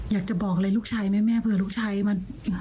อยากจะบอกอะไรลูกชัยแม่เพื่อลูกชัยมา